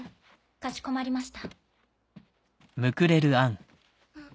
かしこまりました。